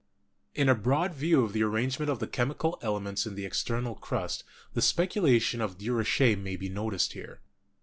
In a broad view of the arrangement of the chemical elements in the external crust, the speculation of Durocher may be noticed here.